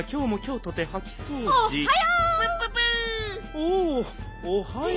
おおはよう。